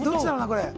これ。